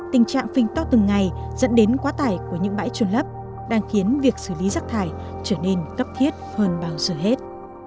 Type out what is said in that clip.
tình trạng phinh to từng ngày dẫn đến quá tải của những bãi trôn lấp đang khiến việc xử lý rác thải trở nên cấp thiết hơn bao giờ hết